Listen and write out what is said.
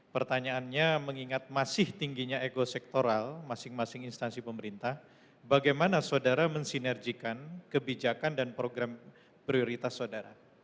pertanyaannya mengingat masih tingginya ego sektoral masing masing instansi pemerintah bagaimana saudara mensinerjikan kebijakan dan program prioritas saudara